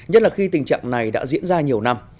nhất là khi tình trạng này đã diễn ra nhiều năm